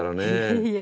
いえいえ。